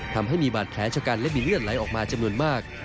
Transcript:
ทำให้มีบาดแผลชะกันและมีเลือดไหลออกมาจำนวนมาก